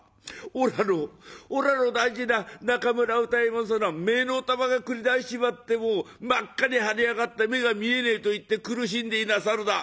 「おらのおらの大事な中村歌右衛門様の目の玉がくり出しちまってもう真っ赤に腫れ上がって目が見えねえと言って苦しんでいなさるだ。